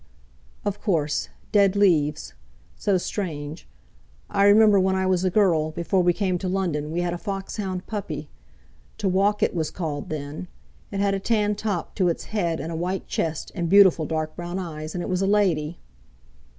"Of course, dead leaves—so strange. I remember when I was a girl, before we came to London, we had a foxhound puppy—to 'walk' it was called then; it had a tan top to its head and a white chest, and beautiful dark brown eyes, and it was a lady."